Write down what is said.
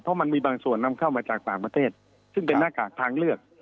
เพราะมันมีบางส่วนนำเข้ามาจากต่างประเทศซึ่งเป็นหน้ากากทางเลือก